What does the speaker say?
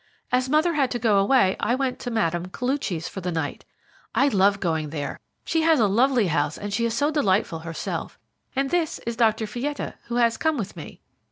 As mother had to go away, I went to Mme. Koluchy's for the night. I love going there. She has a lovely house, and she is so delightful herself. And this is Dr. Fietta, who has come with me."